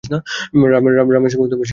রামের সঙ্গে সীতার বিবাহ হল।